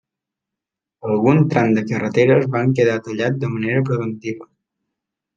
Alguns trams de carreteres van quedar tallats de manera preventiva.